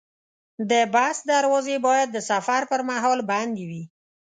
د بس دروازې باید د سفر پر مهال بندې وي.